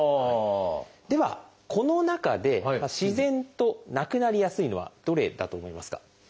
ではこの中で自然となくなりやすいのはどれだと思いますか？